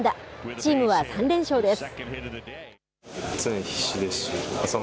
チームは３連勝です。